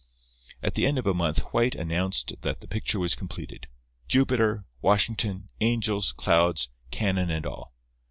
At the end of a month White announced that the picture was completed—Jupiter, Washington, angels, clouds, cannon and all.